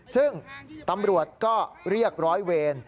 ซึ่งตำรวจก็เรียกร้อยเวร